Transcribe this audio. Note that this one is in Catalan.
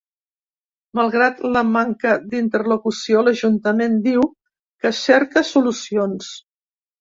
Malgrat la manca d’interlocució, l’ajuntament diu que cerca solucions.